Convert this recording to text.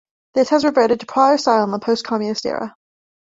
This has reverted to prior style in the post-communist era.